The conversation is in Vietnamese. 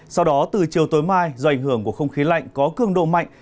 sau đó từ chiều tối mai do ảnh hưởng của không khí lạnh có cường độ mạnh